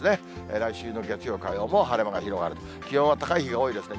来週の月曜、火曜も晴れ間が広がる、気温は高い日が多いですね。